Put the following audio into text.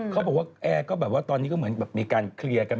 เขาบอกว่าแอร์ก็แบบว่าตอนนี้ก็เหมือนแบบมีการเคลียร์กัน